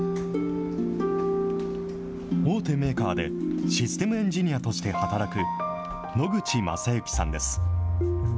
大手メーカーでシステムエンジニアとして働く野口誠之さんです。